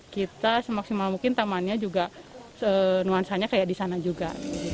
kita semaksimal mungkin tamannya juga nuansanya kayak di sana juga